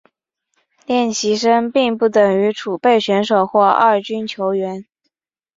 练习生并不等于储备选手或二军球员。